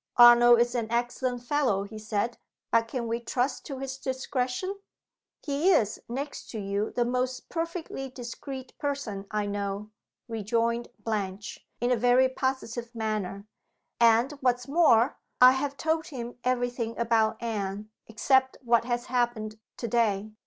"Arnold is an excellent fellow," he said. "But can we trust to his discretion?" "He is, next to you, the most perfectly discreet person I know," rejoined Blanche, in a very positive manner; "and, what is more, I have told him every thing about Anne, except what has happened to day.